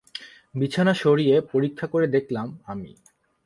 বিছানা সরিয়ে পরীক্ষা করে দেখলাম আমি।